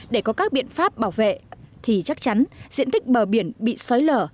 để có các biện pháp bảo vệ thì chắc chắn diện tích bờ biển bị xói lở